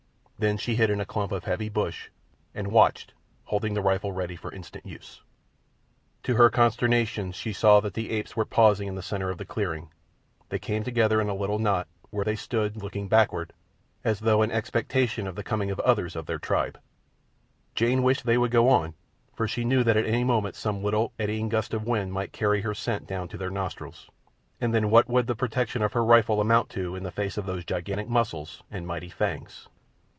Then she hid in a clump of heavy bush and watched, holding the rifle ready for instant use. To her consternation she saw that the apes were pausing in the centre of the clearing. They came together in a little knot, where they stood looking backward, as though in expectation of the coming of others of their tribe. Jane wished that they would go on, for she knew that at any moment some little, eddying gust of wind might carry her scent down to their nostrils, and then what would the protection of her rifle amount to in the face of those gigantic muscles and mighty fangs?